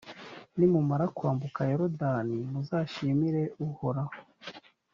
nimumara kwambuka yorudani muzashimire uhoraho: